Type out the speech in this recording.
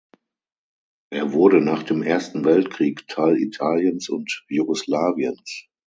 Er wurde nach dem Ersten Weltkrieg Teil Italiens und Jugoslawiens.